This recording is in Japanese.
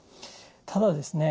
ただですね